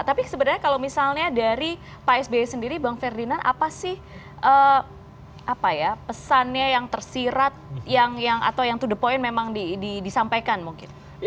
tapi sebenarnya kalau misalnya dari pak sby sendiri bang ferdinand apa sih pesannya yang tersirat atau yang to the point memang disampaikan mungkin